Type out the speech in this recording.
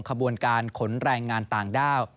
ขบวนการขนแรงงานต่างด้าว